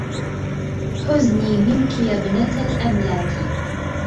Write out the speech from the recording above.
حزني منك يا ابنة الأملاك